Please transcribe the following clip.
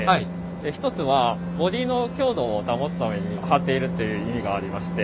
一つはボディーの強度を保つために貼っているっていう意味がありまして。